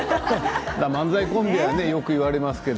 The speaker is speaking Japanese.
漫才コンビはよく言われますけど